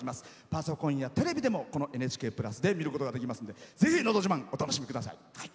パソコンやテレビでもこの「ＮＨＫプラス」で見ることができますのでぜひ「のど自慢」お楽しみください。